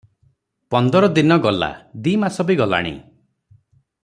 ପନ୍ଦର ଦିନ ଗଲା, ଦି ମାସ ବି ଗଲାଣି ।